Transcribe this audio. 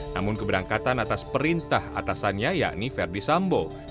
namun keberangkatan atas perintah atasannya yakni verdi sambo